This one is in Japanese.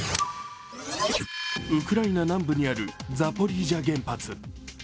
ウクライナ南部にあるザポリージャ原発。